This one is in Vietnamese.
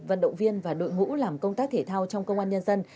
vận động viên và đội ngũ làm công tác thể thao trong công an nhân dân